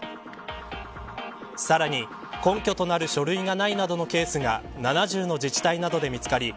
さらに、根拠となる書類がないなどのケースが７０の自治体などで見つかり